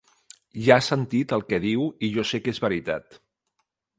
Ja has sentit el que diu i jo sé que és veritat.